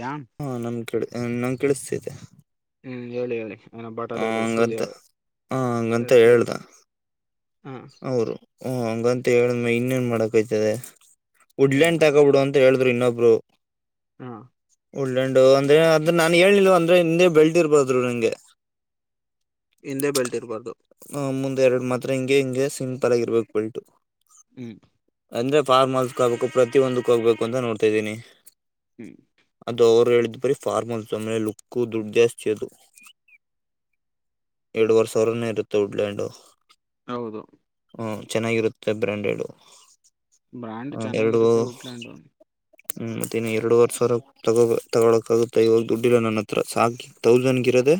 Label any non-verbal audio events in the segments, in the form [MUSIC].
ಯ್ [UNINTELLIGIBLE] ಹಾ ನಮ್ ಕೆಡ್ ನಮ್ಗೆ ಕೇಳಿಸ್ತೈತೆ ಹ್ಮು ಹೇಳಿ ಹೇಳಿ [UNINTELLIGIBLE] ಸೂರ್ಯ ಹಂಗಂತ ಆ ಹಂಗಂತ ಕೇಳ್ತೀದ್ರು ಹ್ಮು ಹ್ಮು ಹಂಗಂತ ಹೇಳಿದ್ಮೇಲೆ ಇನ್ನೇನ್ ಮಾಡಕಾಯ್ತದೆ ಇನ್ನು ವುಡ್ಲ್ಯಾಂಡ್ ಏನೋ ಮಾಡ್ಕ ತಕೋಬಿಡು ಅಂತ ಹೇಳ್ [UNINTELLIGIBLE] ಇನ್ನೊಬ್ರು ಹಾ ಉಡ್ಲೆಂಡ್ ಅಂದ್ರೆ ಅದ್ ನಾನ್ ಹೇಳಿಲ್ವ ಅಂದ್ರೆ ಹಿಂದೆ ಬೆಲ್ದ್ ಇರ್ಬೋದ್ರು ನಿಂಗೆ ಹಿಂದೆ ಬೆಲ್ಟ್ ಇರ್ಬಾರ್ದು ಮುಂದ್ ಎರಡು ಮಾತ್ರ ಹಿಂಗೆ ಹಿಂಗೆ ಸಿಂಪಲ್ ಆಗಿರ್ಬೇಕ್ ಬೆಲ್ಟು ಹ್ಮು ಅಂದ್ರೆ ಫಾರ್ಮಲ್ಸ್ ಗಾಗ್ಬೇಕು ಪ್ರತಿ ಒಂದುಕ್ಕು ಆಗಬೇಕು ಅಂತ ನೋಡ್ತಾ ಇದೀನಿ ಹ್ಮು ಅದು ಅವ್ರು ಹೇಳಿದ್ ಬರೀ ಫಾರ್ಮಲ್ಸು ಸುಮ್ನೆ ಲುಕ್ಕ್ ದುಡ್ ಜಾಸ್ತಿ ಅದು ಎರಡುವರೆ ಸಾವಿರ ಎನೊ ಇರುತ್ತೆ ವುಡ್ ಲ್ಯಾಂಡು ಹೌದು ಹ್ಮು ಚೆನ್ನಾಗಿರುತ್ತೆ ಬ್ರಾಂಡೆಡು ಬ್ರಾಂಡ್ ಚೆನ್ನಾಗಿರುತ್ತೆ ವುಡ್ ಲ್ಯಾಂಡು ಹ್ಮು ಮತ್ತೇನ್ ಎರಡುವರೆ ಸಾವಿರ ತಗೋಬ ತಗೊಳಕ ಆಗುತ್ತ ಇವಾಗ ದುಡ್ಡಿಲ್ಲಾ ನನ್ನ ಹತ್ರ ಸಾಕ್ ತೌಸಂಡ್ ಗಿರೋದೆ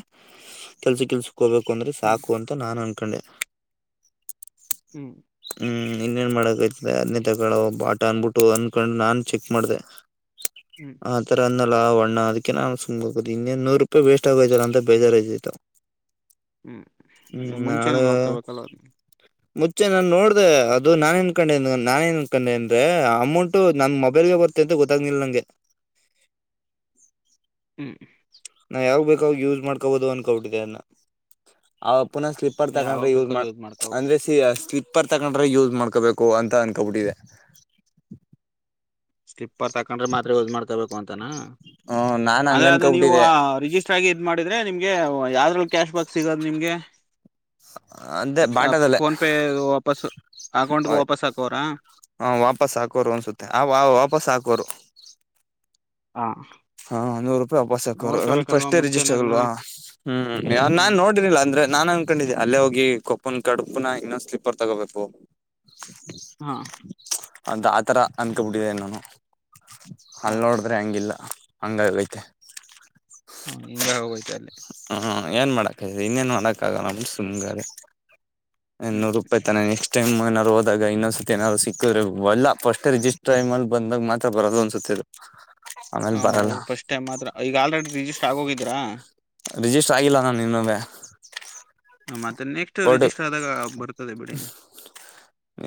ಕೆಲ್ಸು ಗಿಲ್ಸು ಹೋಗ್ಬೇಕು ಅಂದ್ರೆ ಹ್ಮ್ ಸಾಕು ಅಂತ ನಾ ಅನ್ಕೊಂಡೆ ಹ್ಮು ಹ್ಮ್ ಇನ್ನೇನ್ ಮಾಡಕತದೆ ಅದನ್ನೇ ತಗಳವ ಬಾಟ ಅನ್ಬಿಟ್ಟು ಅನ್ಕೊಂಡು ನಾನ್ ಚೆಕ್ ಮಾಡ್ದೆ [INAUDIBLE] ಹ್ಮು ಆ ತರ ಅಂದ್ನಲ್ಲ ಆವಣ್ಣ ಅದಕ್ಕೆ ನಾ ಸುಮ್ನೆ ಕುತ್ತಿದ್ ಇನ್ನೇನ್ ನೂರು ರೂಪಾಯ್ ವಸ್ಟ್ ಆಗೋಯ್ತಲ್ಲ ಅಂತ ಬೇಜಾರಾಯ್ತಿತ್ ಹ್ಮು ನೀ ಮುಂಚೆನೆ ನೋಡ್ಕೋಬೇಕಲ್ವಾ [INAUDIBLE] ಮುಚ್ಚೆ ನಾನ್ ನೋಡ್ದೆ ಅದು ನಾನೇನ್ಕೊಂಡೆ ಅಂದ್ರೆ ಅಮೌಂಟು ನನ್ ಮೊಬೈಲ್ಗೆ ಬರ್ [UNINTELLIGIBLE] ಗೊತ್ತಾಗ್ನಿಲ್ ನಂಗೆ ಹ್ಮು ನಾ ಯಾವಾಗ್ ಬೇಕು ಅವಾಗ ಯೂಸ್ ಮಾಡ್ಕೊಬಹದು ಅನ್ಕೋಟ್ಟಿದ್ದೆ ಅದನ್ನ ಆ ಪುನಃ ಸ್ಲಿಪ್ ತರ್ಡ್ ಯಾವಾಗ ತಗೊಂಡ್ರೆ ಯೂಸ್ ಬೇಕಾದ್ರೂ ಮಾಡ ಮಾಡ್ಕೋಬ ಅಂದ್ರೆ ಸಿ ಸ್ಲಿಪ್ಪರ್ ತಗೊಂಡ್ರೆ ಯೂಸ್ ಮಾಡ್ಕೋಬೇಕು ಅಂತ ಅನ್ಕೋಬಿಟ್ಟಿದೆ ಸ್ಲಿಪ್ಪರ್ ತಕೊಂಡ್ರೆ ಮಾತ್ರ ಯೂಸ್ ಮಾಡ್ಕೊಬೇಕು ಅಂತಾನ ಹ್ಮ ನಾನ್ ಹಂಗ ಆದ್ರೆ ಅದು ನೀವು ಅನ್ಕೊಬಿಟ್ಟಿದೆ ರಿಜಿಸ್ ಚ್ಚಾಗಿ ಇದ್ ಮಾಡಿದ್ರೆ ನಿಮ್ಗೆ ಯಾವ್ದ್ರಲ್ಲಿ ಕ್ಯಾಶ್ ಬ್ಯಾಕ್ ಸಿಗೋದು ನಿಮ್ಗೆ ಅಂದೆ [UNINTELLIGIBLE] ಬಾಟದಲ್ಲೇ ಫೋನ್ಪೇ ವಾಪಸ್ ಅಕೌಂಟ್ಗೆ ವಾಪಸ್ ಹಾಕೋರಾ ಹಾ ವಾಪಸ್ ಹಾಕೋರು ಅನ್ಸುತ್ತೆ ಆ ವ ವಾಪಸ್ ಹಾಕೋರು ಹಾ ಹಾ ನೂರು ರೂಪಾಯಿ ವಾಪಸ್ ಹಾಕೋರುನ್ ಫಸ್ಟೇ ಜಿಸ್ಟರ್ ಮುಂಚೆನೆ ಅದ್ನ ಆಗಲ್ವಾ ಹೂ ಹ್ಮ್ ನಾನ್ೋಡಿರ್ಿಲ್ಲ ಅಂದ್ರೆ ನಾನ್ ಅನ್ಕೊಂಡಿದ್ದೆ ಅಲ್ಲೇ ಹೋಗಿ ಕೊಪ್ಪನ್ ಕಡುಪನ ಇನ್ನೊಂದು ಸ್ೀಪರ್ ತಗೋಬೇಕು ಹಾ ಅದ ಆತರ ಅನ್ಕಬಿಟ್ಟಿದೆೆ ನಾನು ಹಾ ಅಲ್ಲಿ ನೋಡಿದ್ರೆ ಹಂಗಿಲ್ಲ ಹಂಗೈತೆ ಹೂ ಹಿಂಗ ಹೋಗೋಯತೆ ಅಲ್ಲಿ ಹೂ ಏನ್ ಮಾಡಕ್ ಇದರಿ ಇನ್ನೇನ್ ಮಾಡಕ್ ಆಗ ನಮ ಸುಮ್ ಇನ್ನುನೂರು ರೂಪಾಯಿ ತಾನೆ ಟೈ್ಏನ್ರುೋದಾಗ ಇೊಂದ್ಸತಿ ಏನಾರ ಸಿಕ್ಕಿದ್ರೆ ಒಲ್ಲ ಫಸ್ಟ್ ರಿಜಿಸ್ಟ ೈಮ ಅಲ್ಲಿ ಬಂದಾಗ ಮಾತ್ರ ಬರಲ್ಲ ಒನ್ಸತದು ಆಮೇಲೆ ಬರಲ್ಲ ಫಟ್ ಟೈಮ್ ಮಾತ್ರ ಈಗ ಆಲ್ರೆಡಿ ರಿಜಿಸ್ಟರ್ ಆಗ ಹೋಗಿದ್ರಾ ರಿಜಿಸ್ಟರ್ ಆಗಿಲ್ಲಲ್ಲ ನಾನ ನಿನ್ನವೆ ಹ ಮತ್ತೆ ನೆಕ್ಸ್ಟ್ ಬೋರ್ಡ್ ರಿಜಿಸ್ಟರ್ ಆದಾಗ ಬರ್ತದೆ ಬಿಡಿ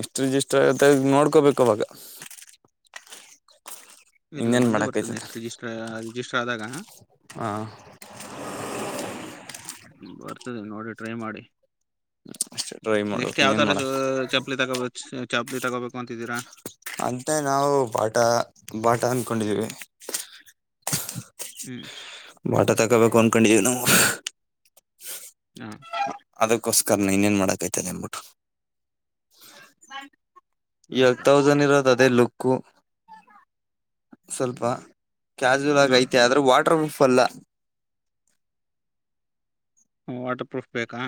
ಎಷ್ಟು ಜ ಇಷ್ಟು ಆಗತ್ತೆ ನೋಡ್ಕೋಬೇಕು ಅವಾಗ ಇಲ್ಲ ಇನ್ನೇನು ಬಂದೇ ಬರ್ತದೆ ಮಾಡೋಕ್ಕೈತದೆ ನೆಕ್ಸ್ಟ್ ರಿಜಿಸ್ಟರ್ ರಿಜಿಸ್ಟರ್ ಆದಾಗ ಹಾ ಬರ್ತದೆ ನೋಡಿ ಟ್ರೈ ಮಾಡಿ ಅಷ್ಟೇ ಟ್ರೈ ಮಾಡ್ಬೇಕು ನೆಕ್ಸ್ಟ್ ಇನ್ನೇನು ಯಾವತರ ಮಾಡೋ ಸ ಚಪ್ಪಲಿ ತಗೋಬೇಕು ಸ ಚಾಪ್ಲಿ ತಗೋಬೇಕು ಅಂತಿದ್ದೀರಾ ಅಂತ ನಾವು ಬಾಟ ಬಾಟ ಅನ್ಕೊಂಡಿದೀವಿ ಹ್ಮ್ ಬಾಟ ತಗೋಬೇಕು ಅಂದಕೊಂಡೀವಿ ನಾವು ಹಾ ಅದಕ್ಕೋಸ್ಕರ ಇನ್ನನೇನ್ ಮಾಡಕ್ೈ್ತಲ್ಲ ಅನ್ಬಿಟ್ಟು ಎಗ್ ಆತರ ತಾವ ಜನ ಇರತ್ ಅದೇ ಲುಕ್ ಹಕ್ಕು ಸ್ವಲ್ಪ ಕ್ಯಾಾಸುವಲ್ ಆಗಿ ಹಾ ಐತೆ ಆದ್ರೆ ವಾಟರ್ ಪ್ರ್ರೂಫ್ ಅಲ್ಲ ಹ್ಞೂ ವಾಟರ್ ಪ್ರೂಫ್ ಬೇಕಾ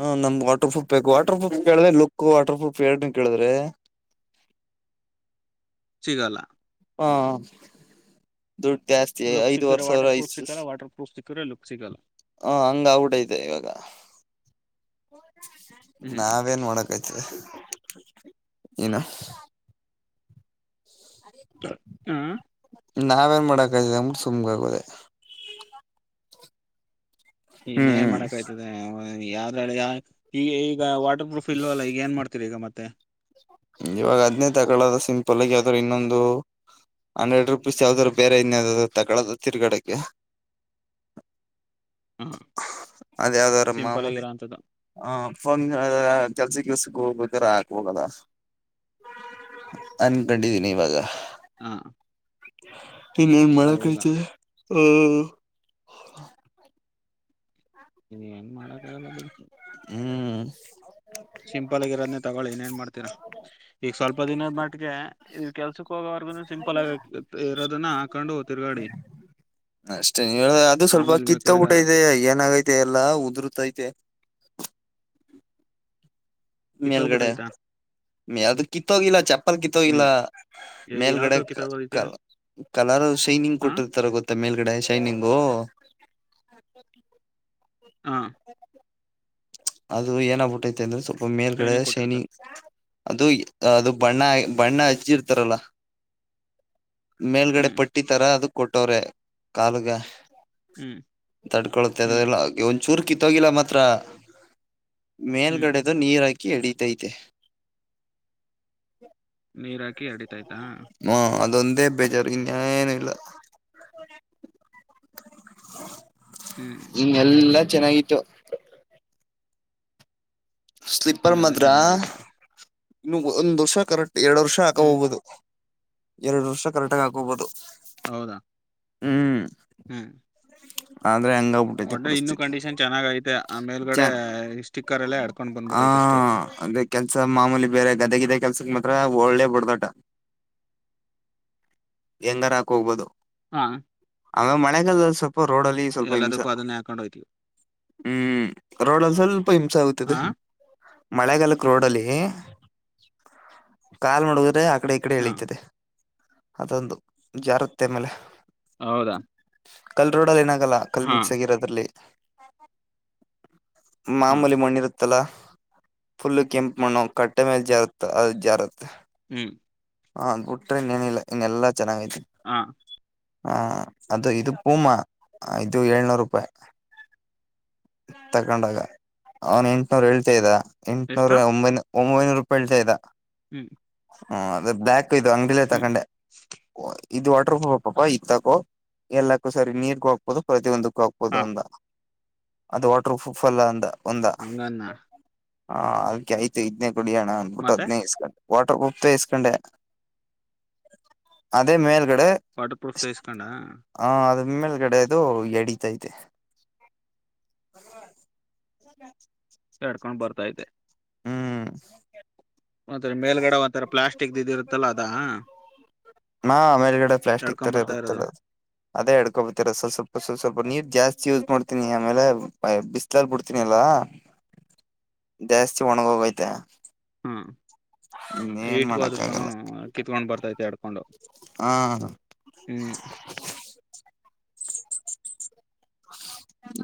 ಹ ನಮ್ದ್ ವಾಟರ್ ಪ್ರೂ್ ಬೇಕು ವಾಟರ್ ಪ್ರೂಫ ಕೇಳ್ರೆ ಲುಕ್ ವಾಟರ್ ಪ್ರೂಫ್ ಎರಡ್ ಕೇಳಿದ್ರೆ ಸಿಗಲ್ಲ ಹಾ ದುಡ್ಡು ಜಾಸ್ತಿ ಲುಕ್ ಐದು್ ಸಿಕ್ಕಿರ ವರ್ಷರ ವಾಟರ್ ಪ್ರೂಫ್ ಇಷ್ಟ ಸಿಕ್ಕಲ್ಲ ವಾಟರ್ ಪ್ರೂಫ್ ಸಿಕ್ಕಿರ ಲುಕ್ ಸಿಗಲ್ಲ ಹ ಆಗಿಬಿಟ್ ಐತೆ ಇವಾಗ ಹ್ಮ್ ನಾವೇನ್ ಮಾಡಕಯ್ತದೆ ನು ಸ ಹಾ ನಾವೇನ್ ಮಾಡಕಾಯತಿದೆ ಅಂಗ್ರೆ ಸುಮ್ ಆಗೋದೆ ಹ್ಮ್ ಇನ್ನೇನ್ ಹ್ಮ್ ಮಾಡಕ್ ಆ್ತದೆ ಯ್ರ ಈಗ ಈಗ ವಾಟರ್ ಪ್ರೂಫ್ ಇಲ್ವಲ್ಲ ಈಗ ಏನ್ ಮಾಡ್ತ ಸ್ತ್ರರಿಗಮತ್ತ ಇವಾಗ ಹದ್ನೇ ತಗಳ ಸಿಂಪಲ್ ಆಗಿ ಯಾವ್ದ್ರರು ಇನ್ನೊಂದು ಹಂಡ್ರೆಡ್ ರುಪೀಸ್ ಯಾವ್ದಾದ್ರು ಬೇರೆ ಇನ್ಯ ತಗದು ತಿರ್ಗಡಕ್ಕೆ ಹ ಅದ ಯಾವದರ ಸಿಂಪಲ್ ಮಾಮೂಲಿ ಆಗಿರೋ ಅಂಥದ್ದು ಹ ಫೋನ್ ಕೆಲ್ಸಕ್ಕೆಿವಲ್ಸಕ್ಕೆ ಹೋಗರ ಹಾಕ್ ಹೋಗಲ್ಲ ಅನ್ಕೊಂಡಿದಿನಿ ಇವಾಗ ಹಾ ಇನ್ನೊನ್ ಹೌದಾ ಮಾಡಕೈತೆ ಅಹ ನೀ ಏನ್ ಮಾಡಕ್ಕಾಗಲ್ಲ ಬಿಡು ಹ್ಮ್ ಸಿಂಪಲ್ ಆಗಿ ಇರೋದನೇ ತಗಳಿ ಏನೇಏನ್ ಮಾಡ್ತೀರಾ ಈಗ ಸ್ವಲ್ಪ ದಿನದ ಮಟ್ಟಿಗೆ ಈ ಕೆಲ್ಸ ೋಗವರ್ಗ ಸಿಂಪಲ್ ಆಗ ಇರೋದನ್ನ ಹಾಕೊಂಡು ಹತಿರ್ಗಾಡಿ ಅಷ್ಟೇ ಹೇಳ ಅದು ಸ್ವಲ್ಪ ಕಿತ್ತ ಊಟ ಇದೆ ಏನಾಗೈತೆ ಎಲ್ಲಾ ಉದುರುತೈತೆ ಕತ್ತಬುಟ ಆಯ್ತಾ ಯಾವ್ದದು ಕಿತ್ತೋಗಿಲ್ಲ ಚಪ್ಪಲ್ ಕಿತ್ತೋಗಿಲ್ಲ ಹ್ಮ್ ಮೇಲ್ಗಡೆ ಯಾವ್ದೋ ಕಿತ್ತೋಗೋದಕ್ಕೆ ಕಲರ್ ಶೈನಿಂಗ್ ಹ ಕೊಟ್ಟಿರ್ತರ ಗೊತ್ತ ಮತ್ತ ಮೇಲ್ಗಡೆ ಶೈನಿಂಗು ಹಾಂ ಅದು ಏನಾಗಬಿಟ್ಟೈತೆ ಅಂದ್ರೆ ಸ್ವಲ್ಪ ಮೇಲ್ಗಡೆ ಟ್ರೈನಿಂಗ್ ಕೊಟ್ಟಿರ್ತಾರ ಶೈನಿಂಗ್ ಅದು ಅದು ಬಣ್ಣ ಬಣ್ಣ ಹಚ್ಚಿ ಇರ್ತಾರಲ್ಲ ಮೇಲ್ಗಡೆ ಹ್ಮ್ ಪಟ್ಟಿತರ ಅದು ಕೊಟ್ಟವ್ರೆ ಕಾಲುಗ ಹ್ಮ್ ತಡ್ಕೊೊಳ್ಳುತ್ತೆ ಹ್ಮ್ ಅಲ್ಲ ಒಂದ ಚೂರು ಕಿತ್ತೋಗಿಲ್ಲ ಮಾತ್ರ ಹ್ಮ್ ಮೇಲ್ಗಡೆದು ನೀರ ಹಾಕಿ ಎಡೀಿತೈತೆ ನೀರ್ ಹಾಕಿ ಅಡಿತಾಯ್ತಾ ಹಾ ಅದೊಂದೇ ಅಭಚರ್ ಾನು ಇಲ್ಲ [UNINTELLIGIBLE] ಹ್ಮ್ ಇನ್ ಎಲ್ಲಾ ಚೆನ್ನಾಗಿತ್ತು ಸ್ಲಿೀಪ್ಪರ್ ಇನ್ನೆಲ್ಲಾ ಮದ್ರಾ ಚೆನ್ನಾಗೈತೆ ಇನ್ನು ಒಂದ್ ವರ್ಷ ಕರೆಕ್ಟ್ ಎರಡು ವರ್ಷ ಹಾಕ ಹ್ಮ್ ಹೋಗ್ಬಹುದು ಎರಡು ವರ್ಷ ಕರೆಕ್ಟ್ ಆಗ ಹಾಕಬಹುದು ಹೌದಾ ಹ್ಮ್ ಹ್ಮ್ ಆದ್ರ ಹಂಗ ಒಡ್ರೆ ಇನ್ನುೂ ಕಂಡೀಷನ್ ಚೆನ್ನಾಗ ಐತೆ ಆ ಮೇಲ್ಗಡೆ ಚ ಸ್ಟಿಕ್ಕರ್ ಎಲ್ಲಾ ಹಡ್ಕೊಂಡ್ ಬಂದ್ಬಿಟ್ಟೈತೆ ಅಷ್ಟೇ ಅಂದ್ರೆ ಕೆಲ್ಸ ಮಾಮೂಲಿ ಬೇರೆ ಗದೆ ಗದೆ ಕೆಲ್ಸಕ್ ಮಾತ್ರ ಒಳ್ಳೆ ಬಡದಟ ಹೆಂಗಾರ ಹಾಕ ಹ್ಬೋದು ಹಾ ಆಮೇಲೆ ಮಳೆಗಾಲದಲ್ಲಿ ಸ್ವಲ್ಪ ರೋಡ್ಲ್ಲಿ ಸ್ವಲ್ಪ ಹಿಂಸ ಎಲ್ಲದಕ್ಕೂ ಅದನ್ನೇ ಹಾಕೊಂಡ್ ಹೋಯ್ತಿವಿ ಹ್ಮ್ ರೋಡ್ಲ್ಲಿ ಸ್ವಲ್ಪ ಹಿಂಸೆ ಆಗುತ್ತದೆ ಆ ಮಳೆಗಾಲಕ್ ರೋಡ್ ಅಲ್ಲಿ ಕಾಲ್ ಮಾಡುದ್ರೆ ಆ ಕಡೆ ಕ ಕಡೆ ಹಾ ಎಳತದೆ ಅದೊಂದು ಜಾರತ್ತೆ ಮೇಲೆ ಹೌದಾ ಕಲ್ ರೋಡಲ್ ಏನಾಗಲ್ಲ ಕಲ್ ಹಾ ಮಿಕ್ಸ್ ಆಗಿರೋದ್ರಲ್ಲಿ ಹಾ ಮಾಮೂಲಿ ಮಣ್ಣಿರು ತ್ತಲ ಫುಲ್ ಕೆಂಪು ಮಣ್ಣು ಕಟ್ಟೆ ಮೇಲ್ ಜಾರತ್ ಅದು ಜಾರತ್ತ ಹ್ಮ್ ಹಾ ಅ್ ಬಿಟ್ರಿ ಇನ್ೇನಿಲ್ಲ ಹಿಗೆಲ್ಲ ಚೆನ್ನಾಗೈಐತಿ ಹಾಂ ಹ ಅದು ಇದು ಪೂಮಾ ಇದು ಏಳ್ನೂರು ರೂಪಾಯಿ ತಕೊಂಡಾಗ ಅವನ್ ಎಂಟನೂರ್ ಹೇಳ್ತ್ದ ಎಷ್ಟು ಎಂಟುನೂರ ಒಂಬೈನ ಒಂಬೈನೂರು ರೂಪಾಯಿ ಉಲ್ಟ ಇದದ ಹ್ಞೂ ಹ ಅದ ಬ್ಲ್ಯಾಕ್ ಇದು ಅಂಗಡಿಲ್ಲ ತಕೊಂಡೆ ಇದು ವಾಟರ್ ಪ್ರೂಫ್ ಪಾಪಾ ಇತ್ತಕ್ಕೋ ಎಲ್ಲಕ್ಕೂ ಸರಿ ನೀರ್ಗೂ ಹಾಕ್ಬೋದು ಪ್ರತಿಯ ಒಂದಕ್ಕೂ ಹಾಕ್ಬೋದು ಹಾ ಅಂದ ಅದು ವಾಟರ್ ಪ್ರೂಫಲ್ಲ ಅಂದ ಒಂದ ಹಂಗನ್ನ ಹಾ ಅದ್ಕ ಆಯ್ತು ಇದದ್ೇ ಕುಡಿಯಣ ಅಂದ್ಬಿಟ್ಟು ಮತ್ತೆ ಅದ್ೇ ಇಸ್ಕೊಂಡು ವಾಟರ್ ಪ್ರೂಫ ಪ ಇಸ್ಕೊಂಡೆ ಅದೇ ಮೇಲ್ಗಡೆ ವಾಟರ್ ಪ್ರೂಫ್ ತಸ್ಕೊಂಡಾ ಹ ಅದಮ್ಮೇಲ್ಗಡೆ ಅದು ಎಡೀತೈತೆ ಹಲ್ಲ ಕಡ್ಕೊಂಡ್ ಬರ್ತಾೈತೆ ಹ್ಮ್ ಒಂಥರ ಮೇಲ್ಗಡೆ ಒಂಥರ ಪ್ಲಾಸ್ಟಿಕ್ ಇದಿ ಇರುತ್ತಲ್ಲ ಅದಾ ನಾ ಆಮೇಲೆಗಡೆ ಪ್ಲಾಸ್ಟಿಕ್ ಎಡ್ಕೊಂಡ್ ತರ ಬರ್ತಾ ಇರುತ್ತಲ್ಲ ಇರೋದು ಅದು ಅದೇ ಹಡ್ಕೊಬತಿರಸವ ಸ್ವಲ್ಪ ಸ್ವ ಸ್ವಲ್ಪ ನೀರ್ ಜಾಸ್ತಿ ಯೂಸ್ ಮಾಡ್ತೀನಿ ಆಮೇಲೆ ಬಿಸ್ಲಾಲ್ ಬಿಡ್ತಿನನ ಅಲ್ಲಾ ಜಾಸ್ತಿ ಒಣಗೋಗೈ್ತೆ ಹಾಂ ಏಟ್ಗೋ ಮಾಡಕ್ ಅದಕ್ಕೂ ಆಗಲ್ಲ ಕಿತ್ಕೊಂಡು ಬರ್ತೈತೆ ಹಡ್ಕೊಂಡು ಹಾ. ಹ್ಮ್.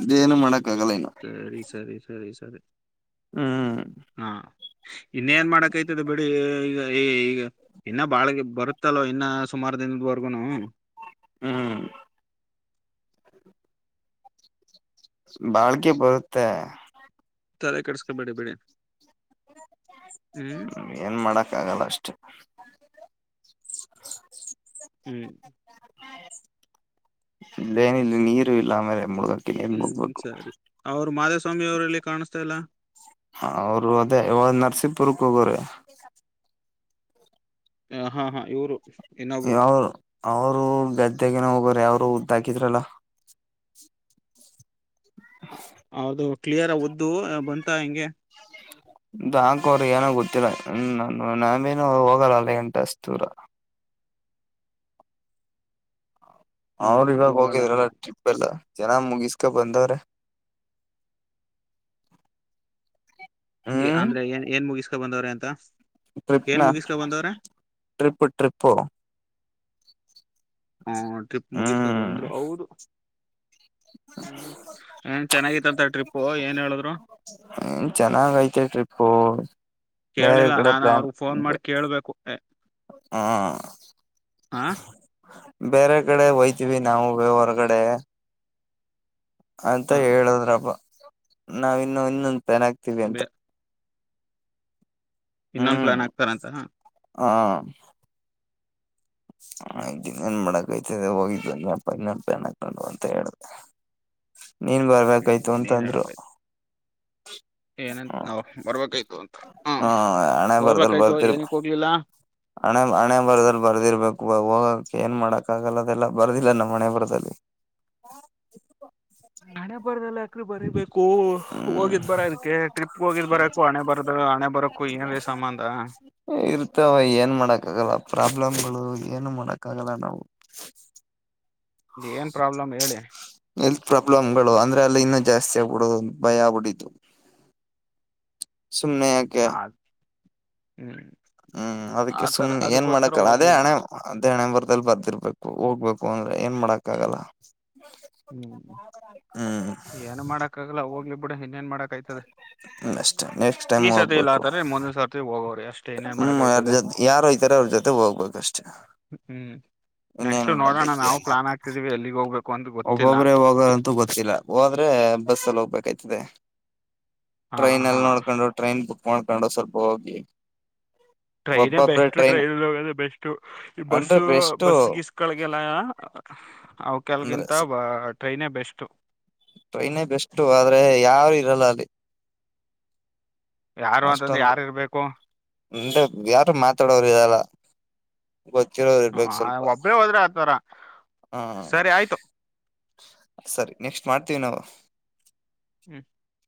ಇದೇಏನು ಮಾಡಕ್ಕ ಆಗಲ್ಲ ಇನ್ನು. ಸರಿ ಸರಿ ಸರಿ ಸರಿ ಹ್ಮ್ ಹಾ ಇನ್ನೇನ್ ಮಾಡಕ್ೈತದ ಬಿಡಿ ಈಗ ಈಗ ಇನ್ನ ಬಾಳಗ ಬರುತ್ತಲ್ೋ ಇನ್ನ ಸುಮಾರು ದಿನದವರ್ಗೂನು ಹ್ಮ್ ಬಾಳ್ಗೆ ಬರುತ್ತೆ ತಲೆ ಕಡಸ್ಕೊಬೇಡಿಬೇಡಿ ಹ್ಮ ಏನ್ ಮಾಡಕ್ಕ ಆಗಲ್ಲ ಅಷ್ಟೇ ಹ್ಮ್ ಇೇನ ಇಲ್ಲಿ ನೀರು ಇಲ್ಲಮೇಲೆ ಮುಳಗ ಹ್ಞೂ ಸರಿ ಅವ್ರು ಮಾಧಸ್ವಾಮಿವರಲ್ಲಿ ಕಾಣಿಸ್ತಾ ಇಲ್ಲ ಹ ಅವರು ಅದೇಾಗ ನರಸೀಂಪುರಕ್ ಹೋಗೋ್ರೆ ಹಾ ಹಾ ಇವರು ಅವರು ಗದ್ದೆೆಗೆನ ಹೋಗೋ್ರ ಅವರು ಉದ್ದಾಕಿದ್ರಲ್ಲ ಹೌದು ಕ್ಲಿಯರ್ ಉದ್ದು ಬಂತ ಹೆಂಗೆ ಹಾಕೋ್ರ ಏನ ಗೊತ್ತಿಲ್ಲ ಹ್ಮ ನ ನೇನು ಹೋಗಲ್ಲ ಅಲ್ಲ ಗಂಟಷ್ಟ ದೂರ ಹ್ಮ್ ಅವ್ರ ಇವಾಗ ಹೋಗಲ್ಲ ಹೋಗಿದ್ರಲ್ಲ ನೀವು ಟ್ರಿಪ್ ಎಲ್ಲ ಜನ ಮುಗಿಸ್ಕ ಬಂದವ್ರೆ ಹ್ಮ್ ಅಂದ್ರೆ ಏನ್ ಏನ್ ಮುಗಿಸಸ್ಕೊ ಬಂದವ್ರ ಅಂತ ಏನ್ ಟ್ರಿಪ್ನ ಮುಗಿಸ್ಕ ಬಂದವ್ರ. Trip trip. ಹ ಟ್ರಿಪ್ ಮುಗಿಸ್ಕೊಂಡ ಹ್ಮ್ ಬಂದ್ರು ಹೌರು. ಹ್ಮ್ ಚೆನ್ನಾಗಿತ್ತಂತ ಟ್ರಿಪ್ ಏನ್ ಹೇಳಿದ್ರು. ಹ್ಮ ಚೆನ್ನಾಗ ಐತೆ ಟ್ರಿಪ್ಪು. ಬೇರೆ ಕೇಳಿಲ್ಲ ಕಡೆ ನಾನ್ ಪ್ಲಾನ್ ಅವ್ರಗ್ ಫೋನ್ ಮಾಡಿ ಕೇಳ್ಬೇಕು. ಏ, ಹ. ಹಾ ಬೇರೆ ಕಡೆ ಹಯ್ತೀವಿ ನಾವು ಬೇ ಹೊರ್ಗಡೆ. ಅಂತ ಹೇಳದ್ರಬ ನಾವ ಇನ್ನು ಇನ್ನೊಂದ್ ಪೆನ್ ಹ ಆಕ್ತೀವಿ ಅಂತ. ಹಾ ಇನ್ನೊಂದು ಪ್ಲಾನ್ ಆತಾರ ಅ. ಹಾ. ಆಯ್ತ ನನ್ ಮಾಡ. ತ ಹೋಗಿದ್ನ್ನಪ್ಪ ಇನ್ನಪನ ಹಕೊಂಡು ಅಂತ ಹೇಳ್ದ. ನೀನ್ ಹ್ಮ್ ಬರ್ಬೇಕಾಯ್ತು ಇನ್ನೇನ್ ಅಂತಂದ್ರು. ಹೇಳಕಾಯ್ತು ಏನಂತ ಹ್ಮ ನಾವು ಬರ್ಬೇಕಾಯ್ತು ಅಂತ ಹ ಹಣೆ ಬರ್ದಲ್ ಹೋಗಬೇಕಾಯ್ತು ಬರ್ದಿರ್ ಏನಕ್ಕೆ ಹೋಗ್ಲಿಲ್ಲ. ಹಣೆ ಹಣೆ ಬರದಲ್ಲಿ ಬರ್ದಿರ್ಬೇಕು ಹೋಗಕ್ ಏನ್ ಮಾಡಕ್ ಆಗಲ್ಲದೆಲ್ಲಾ ಬರ್ದಿಲ್ಲ ನಮ್ಮ್ ಹಣೆ ಬರದಲ್ಲಿ. ಮಣೆ ಬರ್ದಲ್ಲ ಅಕ್ರ ಬರಿೀಬೇಕು ಕ್ಕೂ ಹ್ಮ್ ಹೋಗಿದ್ ಬರದಕಕ್ಕೆ ಟ್ರಿಪ್ ಹೋಗಿದ್ ಬರಕ್ಕು ಅಣೆ ಬರದು ಹಣೆ ಬರಕ್ಕು ಏನ್ೇ ಸಂಬಂಧ ಇರ್ತವ ಏನ್ ಮಾಡಕ್ ಆಗಲ್ಲ ಪ್ರಾಬ್ಲಮ್ಗಳು ಏನು ಮಾಡಕ್ಕ ಆಗಲ್ಲ ನಾವು ಇ ಏನ್ ಪ್ರಾಬ್ಲಮ್ ಹೇಳಿ ಎಲ್ತ್ ಪ್ರಾಬ್ಲಮ್ ಗಳು ಅಂದ್ರೆ ಅಲ್ಲಿ ಇನ್ನೂ ಜಾಸ್ತಿ ಆಗ್ಬಿಡುದು ಭಯ ಆಗ್ಬಿಟ್ಟಿದ್ದು ಯಾಕೆ ಹಾ ಹ್ಮ್ ಹ್ಮ್ ಅದಕ್ಕೆ ಆತರ ಸುಮ್ನೆ ಏನ್ ಅದಕ್ಕೋಸ್ಕರ ಮಾಡಕಲ್ಲ ಅದೇ ಹೋಗ್ಲಿಲ್ಲ ಹಣೆ ದೇಣಂಬರ್ದಲ್ಲಿ ಬದಿರ್ಬೇಕು ಹೋಗ್ಬೇಕು ಅಂದ್ರೆ ಏನ್ ಮಾಡಕ್ ಆಗಲ್ಲ ಹ್ಮ್ ಹ್ಮ್ ಏನ್ ಮಾಡಕ್ ಆಗಲ್ಲ ಹೋಗ್ಲಿ ಬಿಡ ಇನ್ನೇನ್ ಮಾಡಕ್ ಾಯ್ತದೆ ಅಷ್ಟೇ ನೆಕ್ಸ್ಟ್ ಟೈಮ್ ಈ ಸತಿ ಇಲ್ಲ ಹೋಗ್ಬೇಕು ಆತಾರೆ ಮೊಂದೊ ಸರ್ತಿ ಹೋಗವ್ರಿ ಅಷ್ಟು ಹ್ಮ್ ಯಾರ್ ಜೊತೆ ಯಾರ ಹಯ್ತಾರ ಅವ್ರ ಜೊತೆ ಹೋಗ್ಬೇಕಷ್ಟೆ ಹ್ಮ್ ನೆಕ್ಸ್ಟ್ ನೋಡೋಣ ನಾವು ಪ್ಲಾನ್ ಆಕ್ತೀವಿ ಎಲ್ಲಿಗ್ ಹೋಗ್ು ಅ ಒಬ್ಬೊಬ್ರೆ ಹೋಗಂತೂ ಗೊತ್ತಿಲ್ಲ ಹೋದ್ರೆ ಬಸ್ಸಲ್ಲಿ ಹೋಗ್ಬೇಕಾಯ್ತದೆ ಹಾ ಟ್ರೈನ್ ಹಾ ಅಲ್ಲಿ ನೋಡ್ಕೊಂಡು ಟ್ರೈನ್ ಬುಕ್ ಮಾಡೋಕೊಂಡು ಸ್ವಲ್ಪ ಹೋಗಿ ಟ್ರೈನ್ೇ ಬೆಸ್ಟ್ ಟ್ರೈನ್ ಬೆಸ್ಟ್ ಈ ಬಸ್ ಅಂದ್ರೆ ಬೆಸ್ಟ್ ಬಸ್ಗೆ ಮಕ್ಕಳಿಗೆಲ್ಲ ಅವ ಅಂದ್ರೆ ಕೆಲ್ಗಿಂತ ಟ್ರೈನೇ ಬೆಸ್ಟ್ ಟ್ರೈನೇ ಬೆಸ್ಟ್ ಆದ್ರೆ ಯಾರು ಇರಲ್ಲ ಅಲ್ಲಿ ಯಾರು ಅಂತಂದ್ರೆ ಯಾರ ಇರ್ಬೇಕು ನೆ ಯಾರು ಮಾತಾಡೋರು ಇರಲ್ಲ ಗೊತ್ತಿರೋರು ಆ, ಇರ್ಬೇಕು ಸ್ವಲ್ಪ ಒಬ್ಬರೇ ಹೋದ್ರೆ ಆತರ ಹ್ಮ ಸರಿ ಆಯ್ತು ಸರಿ ನೆಕ್ಸ್ಟ್ ಮಾಡ್ತೀವಿ ನಾವು ಹ್ಮ್